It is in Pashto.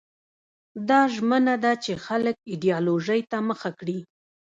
دا ژمنه ده چې خلک ایدیالوژۍ ته مخه کړي.